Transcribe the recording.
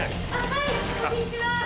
はいこんにちは。